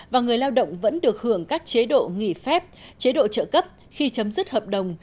và người lao động vẫn được hưởng các chế độ nghỉ phép chế độ trợ cấp khi chấm dứt hợp đồng